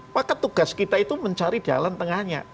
maka tugas kita itu mencari jalan tengahnya